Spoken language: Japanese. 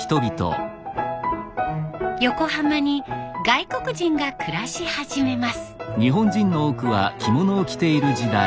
横浜に外国人が暮らし始めます。